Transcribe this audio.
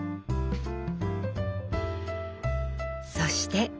そして。